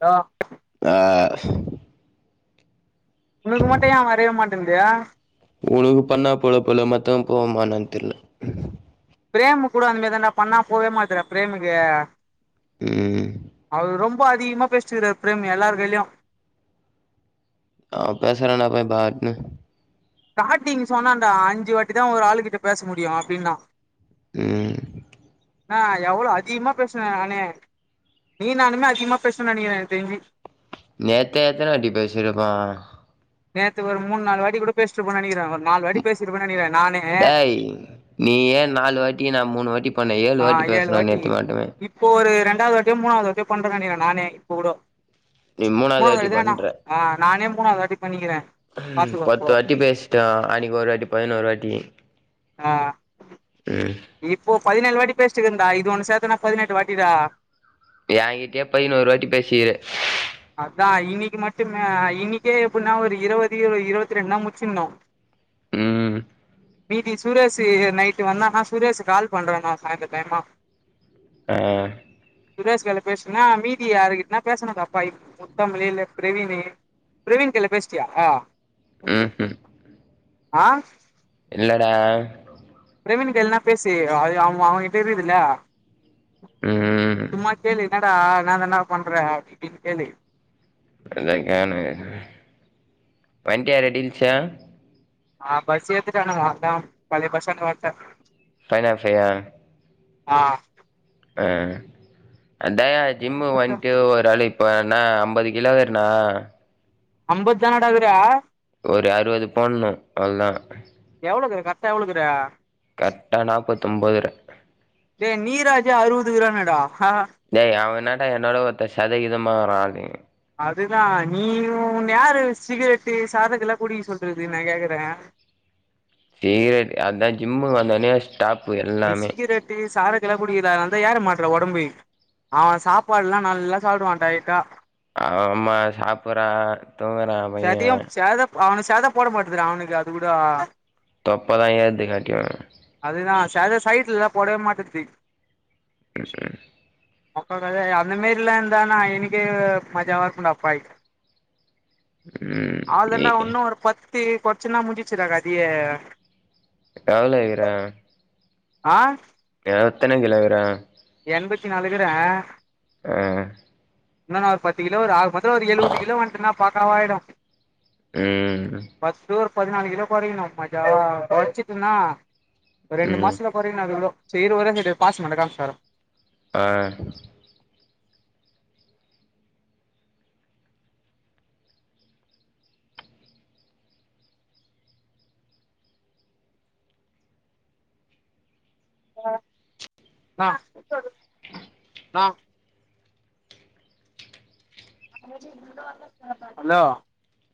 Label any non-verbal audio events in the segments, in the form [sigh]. ஆ ஆ உனக்கு மட்டு ஏ வரையவே மாட்டேந்து உனக்கு பண்ணா போல போல மத்தா போவமா என்னானு தெரில பிரேமு கூட அந்த மாரிதாட பண்ணா போவே மாத்தற பிரேமுக்கு ம் அது ரொம் ரொம்ப அதிகமா பேசிட்ருக்குறார் பிரேம் எல்லாரு கைலயு ஆ பேசா ரன ப ப [unintelligible] ஸ்டார்டிங் சொன்னாண்டா அஞ்சு வாட்டி தா ஒரு ஆளு கிட்ட பேச முடியு அப்டின்னா ம் நா எவ்ளோ அதிகமா பேசினே நானே நீ நானுமே அதிகமா பேச நெனைக்கிறே எனக்கு தெரிஞ்சி நேத்தே எத்தன வாட்டி பேசிருப்போ நேத்து ஒரு மூண் நாலு வாட்டி கூட பேசட்டு போ நெனக்கிறே ஒரு நாலு வாட்டு பேசிருப்பன்னு நெனைக்கிறே நானு டேய் நீ ஏ நாலு வாட்டி நா மூணு வாட்டி பண் ஆ ஏ ஏழு வாட்டி இப்போ ஒரு ரெண் ரெண்டாவது வாட்டியோ மூணாவது வாட்டியோ பண்றனு நெனைக்கிறே நானே இப்ப கூட நீ மூணாவது வாட்டி வாட்டினா நா பண்ற ஆ நானே மூணாவது வாட்டி பண்ணிக்கிறே பாத்துக்கோ பத்து அப்போ வாட்டி பேசிட்டா அன்னைக்கு ஒரு வாட்டி பதினொரு வாட்டி ஆ ம் இப்போ பதினேழு வாட்டி பேசிட்ருக்கண்டா இது ஒண்ணு சேத்தனா பதினெட்டு வாட்டிடா ஏங்கிட்டயே பதினோறுவாட்டி பேசிக்கிர அதா இன்னைக்கு மட்டும்மே இன்னைக்கே எப்புன்னா ஒரு இருவது இரு இருவத்தி ரெண்டு தா முச்சிருந்தோ ம் மீதி சுரேஷ்ஷு நைட்டு வந்தான்னா சுரேஷ்ஷு கால் பண்றேன்னா சாய்ந்தர டைமா ஆ சுரேஷ்கைல பேசுனா மீதி யார் யார்கிட்டனா பேசணு [unintelligible] ப முத்தமலில பிரவீனே பிரவீின் கேல்ல பேஸ்டியா ம்ஹும் ஆ இல்லடா ரவன கல்னா பேசி அ அவங்க அவகிட்ட இருகுதுல ம் சும்மா கேளு என்னடா நா என்னா பண்ற அப்டின்னு கேளு அக்கான பண்ட்டியா ரெடிஞ்சா ஆ பஸ் ஏத்தட்டான வா பழைய பஸ்டாண்ட் வன்டே பன பையா ஆ ஆ அ தயா ஜிம்மு வண்ட்டு ஒரு அளு இப்ப என்ன ஐம்பது கிலோ வேறனா அம்பத்தானடா அதிரா ஒரு அறுவது போடணு அவ்ளதா தா எவ்ழுக்குறா கரெக்டா நாப்பத்தொன்பதற ஏ நீராஜ அறுபது கிராம்மேடா ஏய் அவனாட்டா என்னோட ஒருத்த சதவீதமா வரா அதே அதுதா நீயு உன்ன யாரு சிகரெட்டு சரக்கெல்லா குடிக்க சொல்றது நா கேக்குற சிக்ரட் அதான் ஜிம்முகு வந்தோனே ஸ்டாப்பு நீ எல்லாமே சிகரெட்டு சாரக்கெல்லா புடிக்கிற அதுனாலதா ஏற மாட்ற ஒடம்பு ஆனா சாப்பாடுல்லா நல்லா சாப்புடுவா டயட்டா அவ அம்மா சாப்பறா தூங்குறா பைய அவனு சேத போட மாட்டக்துடா அவனுக்கு அது கூட தப்பாதா [unintelligible] சத சயிட்டுலல போடவே மாட்டேக்து [unintelligible] கத அந்த மாரிலா இருந்தானா எனக்கே மஜாவா இருக்கும்ண்டா அப்பாய் ம் நீ அவ்ளோதான்டா உன்னு ஒரு பத்து கொறச்சுன்னா முடிஞ்சிச்சிடா கதியே எவ்ளோ இக்கிற ஆ அ எத்தன கிலோ க்குற எண்பத்தி நாலு க்குற ஆ இன்னு நா ஒரு பத்து கிலோ ஒரு ஆக மொத்தொ ஒரு எழுவது கிலோ வந்துட்டுன்னா பக்காவ ஆயிடு ம் பதினாலு கிலோ கொறையணு மஜாவா கொறச்சுட்டுன்னா ரெண்டு ம் மாசத்துல கொறையணு அது கிலோ சரி இரு ஒரே நிமிஷ இரு பாஸ் மட்டு காம்ச்சிட்டு வாரே ஆ ஆ ம ஆ ஹலோ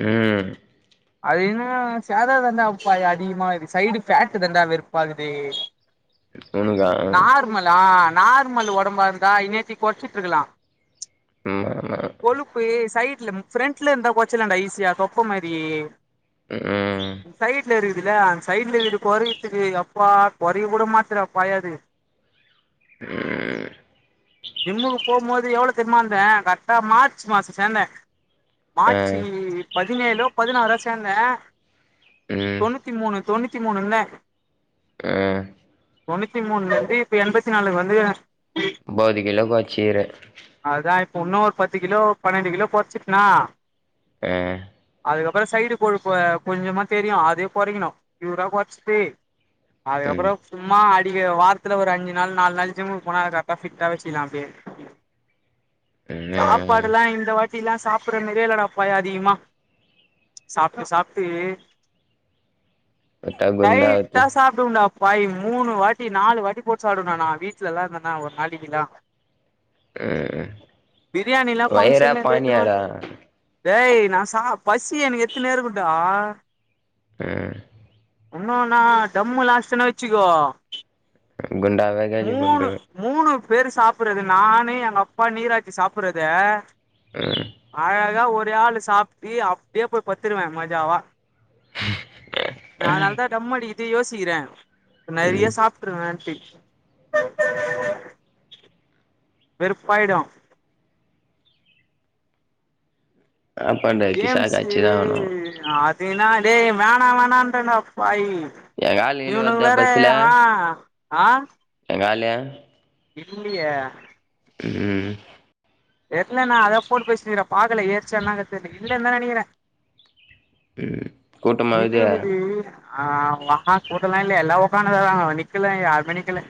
ம் அது என்னனா சாதா தண்டாப்பய அதிகமாது சைடு ஃபேட்டு் தான்டா வெறுப்பாகுது சோனுக்கா நார்மலா நார்மல் ஒடம்பா இருந்தா இனேத்தி கொறச்சிட்டுருக்கலா ஆமா ஆமா கொழுப்பு சைடு த்துலமு ஃப்ரண்ட்ல இருந்தா கொறச்சர்லான்டா ஈசியா தொப்ப மாரி ம் தில்ல அந்த சைட்ல இருக்கது கொறையத்துக்கு யப்பா கொறைய கூட மாத்துறா பயது ஹு ஜிம்முக்கு போவும்போது எவ்ளோ தெரியமா இருந்தே கரெக்டா மார்ச் மாசம் சேர்ந்தே ஆ மார்ச் பதினேழோ பதினாறோ சேந்தே ம் தொண்ணூத்தி மூணு தொண்ணூத் த்தி மூணு இருந்த அ தொண்ணூத்தி மூணுலருந்து இப்ப எண்பத்தி நாலுக் வந்துக்குற பாதி கிலோ கொறச்சிக்ற உன்னு ஒரு பத்து கிலோ பன்னெண்டு கிலோ பொறைச்சுட்ண்ணா ஆ அதுக்கப்பறொ சைடு கொழுப்பு கொஞ்சமா தெரியு அதேயு கொறைக்கணு யூரா கொறச்சிட்டு அதுக்கப்பறோ சும்மா அய் டிங்கெ வாரத்துல ஒரு அஞ்சு நாள் நாலு நாள் ஜிம்முக்கு போனா அது கரக்டா ஃபிட்டா வச்சிக்கலா அப்டியே சாப்பாடுல்லா இந்த வாட்டில்லா சாப்புடுற மாரியே இல்லடா பய அதிகமா சாப்ட்டு சாப்ட்டு டைட்டா சாப்டுவோம்டா பாய் மூணு வாட்டி நாலு வாட்டி போட்டு சாப்டுவனா நா வீட்டுல எல்லா இருந்தன்னா ஒரு நாளைக்கிலா பிரியாணிலா பங்க்ஷன்ல இருந்து எத்துனு வந்ட்ட டேய் நா சா பசி எனக்கு எத்துனே இருக்குன்டா ம் இன்னும் நா தம்முலா அடிச்சேன்னு வச்சுக்கோ குண்டா வேக நீ மூணு முண்டு மூணு பேரு சாப்புறது நானும் எங்க அப்பா நீராட்சி சாப்புறத ம் அழகா ஒரு எப்பயா அத சாப்ட்டு அப்டியே போய் பத்துருவேன் மஜாவா நா அதனால தா டம் அடிக்குதே யோசிக்றே நெறைய ம் சாப்புட்ருவேன்ட்டு வெருப்பாயிடு ஆ பண்ற கிசாக்கு ஏம்ஸு அடிச்சுதா ஆகணு அதுனாலே வேணா வேணன்றன பாய் எங்க ஆளு கீளு இவனுங்க வருதா வேற பஸ்ல ஆ ஆ வேலயா இல்லிய ம் தெர்ல நா அத ஃபோன் பேசுனுருக்கிறேன் பாக்கல ஏர்ச்சினா க தெர்ல இல்லன்னா நனைக்கிறே கூட்டமா இது இருக்குது விது ஆ வா கூட்டலா இல்ல எல்லா உக்காந்துனு இருக்காங்க நிக்கல யாருமே நிக்கல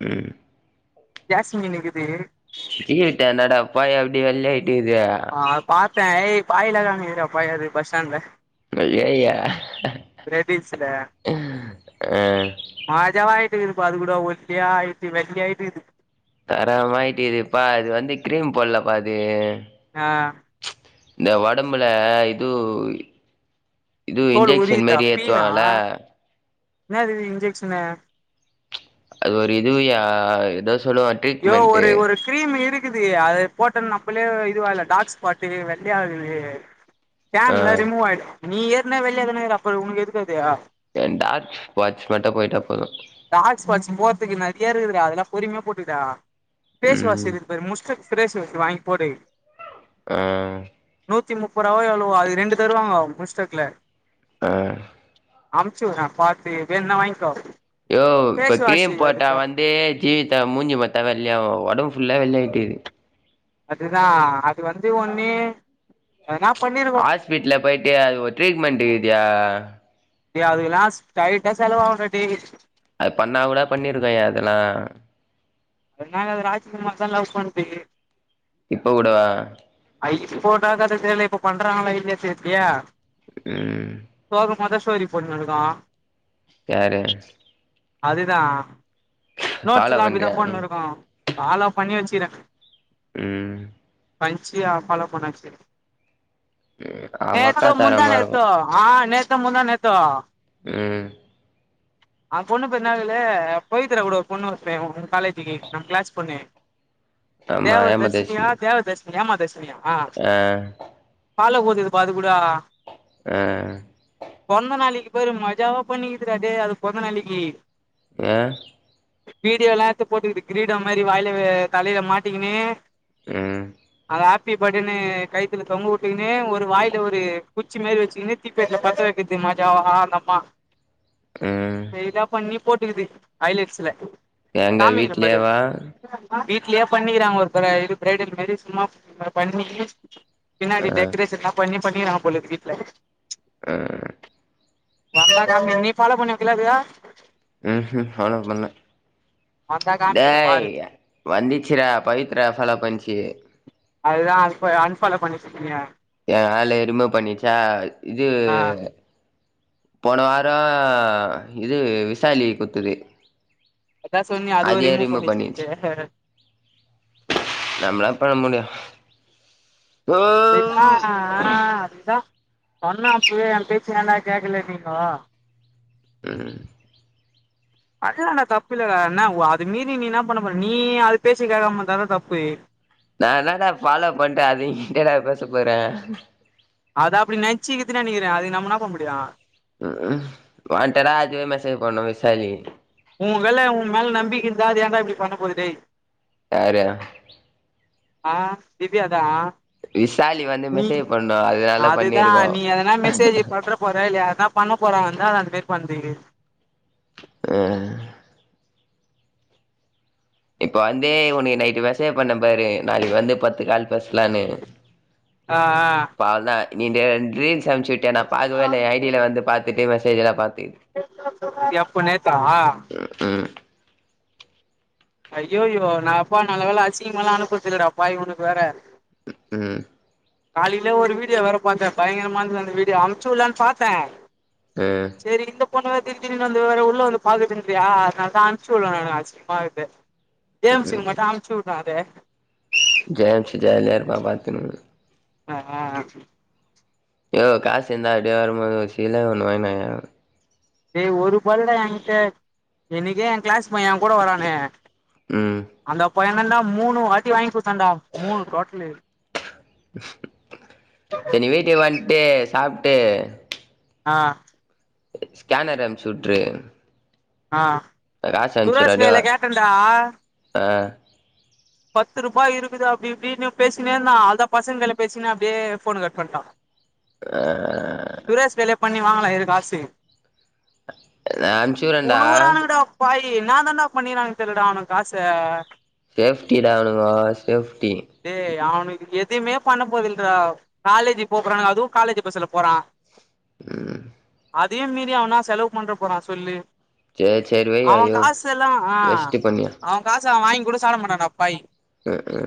ம் ஜாஸ்மின் நிக்குது சீவிட்டேன்ந்தடாப்பாய எப்டி வெள்ளய ஆய்ட்டு இது பேய் பாய்லல்லா ஏறி [unintelligible] பஸ்ஸ்டாண்ட்ல [unintelligible] ஆ மாஜவாயிட்டு இதுப்ப அதுகூட ஒல்லியாயிட்டு வெள்ளியாட்டு இது தரமா ஆயிட்டதுப்பா அது வந்து கிரீம் போடலப்பா அது ஆ இந்த ஒடம்புல இது இதுவு தோல் இன்ஜெக்க்ஷன் உரியுதா மேரி பீனா ஏத்துவாங்ள என்னது இது இன்ஜெக்ஷனு அது ஒரு இதுவு யா எதோ யோ ஒரு ஒரு கிரீம் இருக் இக்குது அத போட்டன்னாப்லே இதுவா இல்ல டார்க் ஸ்பாட்டு வெள்ளையா ஆகுது ஆ டேன் எல்லா ரிமூவ் ஆயிடு நீ ஏற்கனே வெள்ளையாதான இருக்ற அப்ப ஒனக்கு எதுக்கு அது ஏன்டா வாட்ச மட்ட போயிட்டா போது டார்க் ஸ்பாட்ஸ் போறதுக்கு நெறையா இருக்குதுடா அதெல்லா பொறுமையா போட்டுட்டா பேஸ் வாஷ் ம் முஸ்டக் ஃபிரேஸ் வாங்கி போடு ஆ நூத்தி முப்ப ரூவா எவ்ளோ அது ரெண்டு தருவாங்க முஸ்டக்ல அ அம்ச்சு வுடுறே பாத்து வேனுனா வாங்க்கோ யோ இப்ப கிரீம் போட்டா வந்து ஜீவிதா மூஞ்சி பாத்தா வெள்ளையாவு ஒடம்பு ஃபுல்லா வெள்ளையா ட்டு அதுதா அது வந்து ஒண்ணு ஹாஸ்பிட்ல போயிட்டு அது ஒரு ட்ரீட்மெண்ட் இக்குது யா டேய் அதுக் எல்லா ஸ்ரைட்டா செலவாகுடா டேய் அது பண்ணா கூட பண்ணிருக்கு யா அதுல்லா இன்னு அது ராஜ்கமா தா லவ் பண்து இப்ப கூடவா இப் போட்டாக்க தெர்ல இப்ப பண்றாங்களா இல்லையா தெர்லியே ம் மதஸ்வரி பொண்ணு இருக்கு யாரு அதுதா ஃபாலோ நோட்ஸ்லா அப்டிதா பண்றியா பொண்ணு ம் இருக்கு பாலோ பண்ணி வச்சிறே ம் பன்ச்சியா ஃபாலோ பண்ண வச்சி அவங்க அக்கா நேத்தோ முந்தா தரமா இருக்கு நேத்தோ ஆ நேத்தோ முந்தா நேத்தோ ம் ஆ பொண்ணு பேரு என்னாதிலே போய் திர கூட பொண்ணு [unintelligible] காலேஜிக்கு நம் க்ளாஸ் பொண்ணு ஆமா தேவ தர்சினியா ஏமாத்தச்சுன்னு தேவ தர்சினி ஏமா தர்ஷ் ஆ பாலோ குட்த்துக்குதுபா அது கூட ஆ பொற்ந்த நாளிக்கி பேரு மஜாவா பண்ணிக்கிது டா டே அது பொற்ந்த நாளிக்கி ஏ வீடியோல்லா எட்த்து போட்டுக்கிது கிரீடம் மாரி வாயில வெ தலையில மாட்டிக்கினு ம் ஆப்பி பர்டேனு கைத்தில தொங்க வுட்டுகுனு ஒரு வாயில ஒரு குச்சி மாரி வச்சுகினு தீப்பேட்ல பத்த வெக் வைக்க த்து மாஜாவா அந்தம்மா ம் பில்டப் பண்ணி போட்டுக்குது ஐலேட்ஸ்ல எங்க காமிக்கிற பாரு வீட்லயேவா வீட் வீட்லேயே பண்ணிக்கிறாங்க ஒரு பிரைடு பிரைடல் மாரி சும்மா பண்ணி பின்னாடி ஆ டெக்ரேஷன்லா பண்ணி பண்ணிராங்க போலருக் வீட்ல ஆ [unintelligible] நீ ஃபாலோ பண்ணி வெக்கல அதய ம்ஹும் ஃபாலோ பண்ல வந்தா காமிக்கிறே டேய் பாரு வந்திச்சி டா பவித்ரா ஃபாலோ பன்ச்சி அதுதா அன் பாலோ அன் ஃபாலோ பண்ணிட்ருக்கீங்க எ ஆளு ரிமூவ் பண்ணிச்சா இது ஆ போன வாரோ இது விசாலி குட்துது அதா சொன்னியே அதுவு ரிமூவ் பண்ணி வெச்சிருக்து நம்ப்ளா பண்ண முடியாத் இத்தா ஆ அது தா பண்ணே அப்வே எ பேச்ச ஏன்டா கேக்கலம்பீங்கோ ம் அதனால தப்பில்ல டா அண்ணா ஒ அது மீறி நீ என்ன பண்ண போறே நீ அது பேச்ச கேக்காம இருந்தா தா தப்பு நா என்ன டா ஃபாலோ பண்ட்டே அது கிட்ட நா பேச போறே அது அப்டி நென்ச்சிக்கிது நெனைக்கிறே அதுக்கு நம்மென்னா பண்ண முடியு ம் ம் வாண்ட்டடா அதுவே மேசேஜ் பண்ணு விசாலி உ வேள உங்க மேலே நம்பிக்க இருந்தா அது ஏண்டா இப்டி பண்ண போது டேய் [unintelligible] ஆ திவ்யா தா விசாலி வந்து நீ மெசேஜ் பண்ணு அதனால அதுதா பண்ணிருக்கோ நீ எதுனா மெசேஜ் பண்ற போறே இல்லையா அதா பா பண்ண போறா வந்தா அது அந்த மேரி பண்திங்கித் [unintelligible] இப்ப வந்தே உனக்கு நைட்டு மெசேஜ் பண்ணே பாரு நாளைக்கு வந்து பத்து கால் பேசலான்னு ஆ ஆ இப்ப அவ்ளதா நீ டென் ரீல்ஸ் அமிச்சு விட்டே நா பாக்கவே இல்லயே ஐடியில வந்து பாத்துட்டு மெசேஜ்ல்ல பாத் எப்ப நேத்தா ம் ம் ஐய்யயோ நா அப்பா நல்ல வேல அசிங்கமால்லா அனுப்றதில்லடாப்பா இவனுக்கு வேற ம் காலையில ஒரு வீடியோ வேற பாத்தே பயங்கரமா இருந்தது அந்த வீடியோ அம்ச்சு வுலான் பாத்தே ம் செரி இந்த பொண்ணு வேற [unintelligible] வந்து வேற உள்ள வந்து பாத்துட்ருந்தியா அதனால தா அம்ச்சு வுல நானு அத் தெ கேம்ஸ் சிங் மட்டு அம்ச்சி வுட்ர அது ஜெயம் சி ஜெயலர் பாபா [unintelligible] திரு ஆ ஆஹ்ஹ யோவ் காசு இருந்தா அப்படியே வரும்போது சீல ஒண்ணு வாங்கி வாயா டே ஒரு பல்டா என்கிட்ட எனக்கே என் கிளாஸ் பையன் என் கூட வரானே ம் அந்த இப்ப என்னன்டா மூணு வாட்டி வாங்கி கொடுத்தேன்டா மூணு பாட்டலு சேர் நீ வீட்டுக்கு வன்டு சாப்ட்டு ஆ ஸ்கேனர் அனுப்ச்சு விட்ரு ஆ சுரேஷ் வேல வ கேட்டேன்டா ஆ பத்து ரூபாய் இருந்தது அப்டி இப்டின்னு பேசின்னே இருந்தான் அதான் பசங்கள பேசினே அப்டியே போன் கட் பண்ணிட்டான் ஆ சுரேஷ் வேலைய பண்ணி வாங்கலாம் இரு காஸ்டிங் நா அம்ச்சுறேன்டா புழுவுராணுகடா பாய் ய் என்னா தான்டா பண்ணிறானுங்க தெர்லடா அவனுங்க காச சேஃப்டிடா அவனுகோ சேஃப்ட்டி எதுமே பண்ண போறதில்றா காலேஜ் போ போறானுக அதுவு காலேஜ் பஸ்ல போறா ம் அதையும் மீறி அவனா செலவு பண்ற போறா சொல்லு சேரி சேரி வை அவன் ஐயோ காசு எல்லா வேஸ்ட்டு பண்ணியா அவன் காச அவன் வாங்கி கூட சாப்பட மாட்டா டா பாய் அ அ